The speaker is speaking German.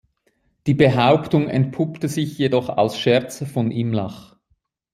Die Behauptung entpuppte sich jedoch als Scherz von Imlach.